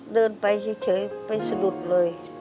เดินไปเฉยไปสะดุดเลย